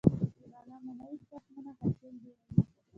د غنمو نوي تخمونه حاصل ډیروي.